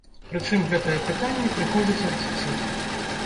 Прычым гэтыя пытанні прыходзяць ад дзяцей.